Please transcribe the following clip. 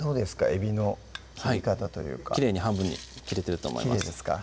えびの切り方というかきれいに半分に切れてるときれいですか？